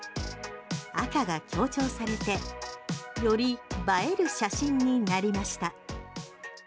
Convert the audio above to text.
赤が強調されてより映える写真になりました。